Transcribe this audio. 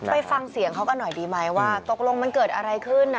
ไปฟังเสียงเขากันหน่อยดีไหมว่าตกลงมันเกิดอะไรขึ้นนะ